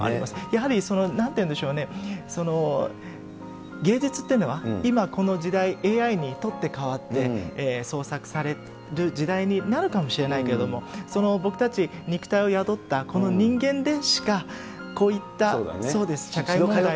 やはり、なんていうんでしょうね、芸術というのは、今この時代、ＡＩにとってかわって、創作される時代になるかもしれないけども、僕たち肉体を宿ったこの人間でしか、こういった社会問題を。